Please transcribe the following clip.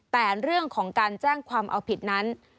แต่เรื่องของการแจ้งความเอาผิดนั้น